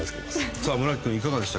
さあ村木君いかがでした？